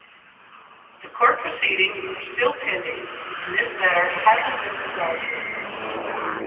The court proceedings are still pending and this matter hasn't been resolved yet.